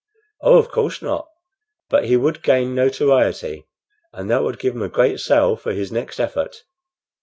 "Oh, of course not; but he would gain notoriety, and that would give him a great sale for his next effort."